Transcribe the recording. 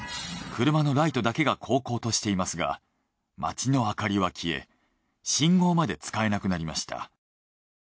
車のライトだけがこうこうとしていますが町の明かりは消え信号まで使えなくなりました。